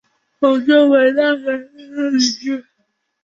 王诏为大学士曹鼐女婿。